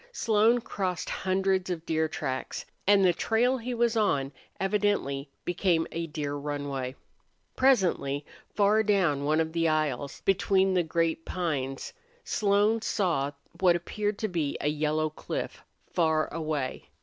Slone crossed hundreds of deer tracks, and the trail he was on evidently became a deer runway. Presently, far down one of the aisles between the great pines Slone saw what appeared to be a yellow cliff, far away.